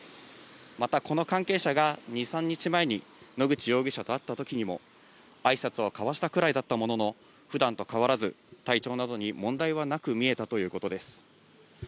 またこの関係者が２、３日前に野口容疑者と会ったときにも、あいさつを交わしたくらいだったものの、ふだんと変わらず、体調などに問題はなく見えたということです。